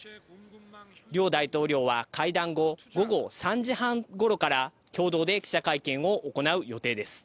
両大統領は会談後、午後３時半頃から共同で記者会見を行う予定です。